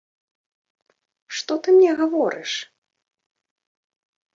Што ты мне гаворыш?